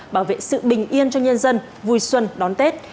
bảo vệ sự bình yên cho nhân dân vui xuân đón tết